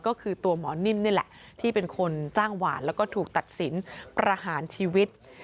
ก็คือตัวหมอนิ่มนี่แหละที่เป็นคนจ้างหวานแล้วก็ถูกตัดสินประหารชีวิต